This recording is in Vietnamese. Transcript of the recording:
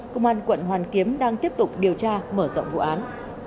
công an quận hoàn kiếm đang tiếp tục điều tra mở rộng vụ án